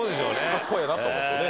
かっこええなと思ってね